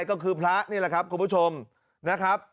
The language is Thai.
ก็คือพระนี่แหละครับคุณผู้ชมนะครับ